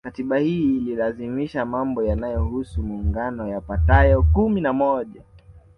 Katiba hii ilianzisha mambo yanayohusu muungano yapatayo kumi na moja